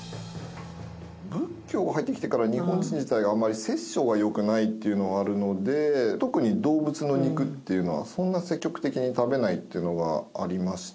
仏教が入ってきてから日本人自体があんまり殺生は良くないっていうのがあるので特に動物の肉っていうのはそんな積極的に食べないっていうのがありまして。